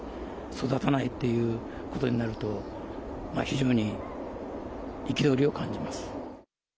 育たないということになると、非常に憤りを感じます。